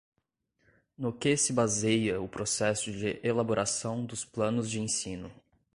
No que se baseia o processo de elaboração dos planos de ensino?